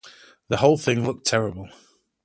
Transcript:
The whole thing looked terrible.